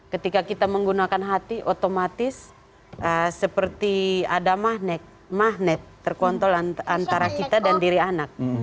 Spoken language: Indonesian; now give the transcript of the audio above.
ketika kita menggunakan hati otomatis seperti ada magnet terkontrol antara kita dan diri anak